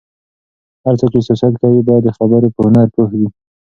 هر څوک چې سياست کوي، باید د خبرو په هنر پوه وي.